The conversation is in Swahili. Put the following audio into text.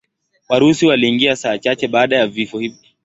Warusi waliingia saa chache baada ya vifo hivi.